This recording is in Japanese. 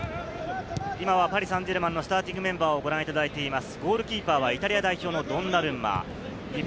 パリ・サンジェルマンのスターティングメンバーをご覧いただいています。